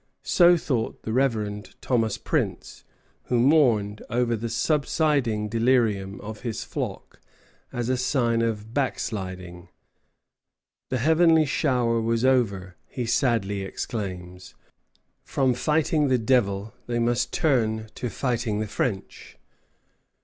So thought the Reverend Thomas Prince, who mourned over the subsiding delirium of his flock as a sign of back sliding. "The heavenly shower was over," he sadly exclaims; "from fighting the devil they must turn to fighting the French."